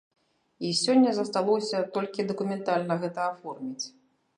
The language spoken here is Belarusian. І сёння засталося толькі дакументальна гэта аформіць.